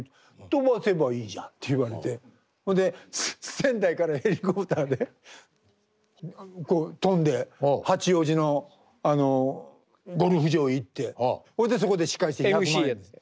「飛ばせばいいじゃん」って言われてほんで仙台からヘリコプターで飛んで八王子のゴルフ場へ行ってほいでそこで司会して１００万円です。